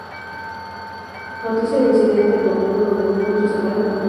Noticia del incidente en www.semana.com